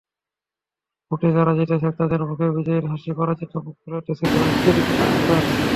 ভোটে যাঁরা জিতেছেন তাঁদের মুখে বিজয়ীর হাসি, পরাজিত মুখগুলোতে ছিল রাজ্যের বিষণ্নতা।